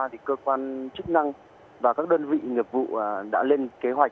thì cơ quan chức năng và các đơn vị nghiệp vụ đã lên kế hoạch